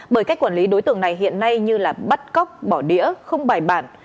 bởi cách quản lý đối tượng này hiện nay như là bắt cóc bỏ đĩa không bài bản